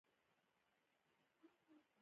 لاسونه غصه پټوي